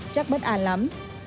chắc bất an lắm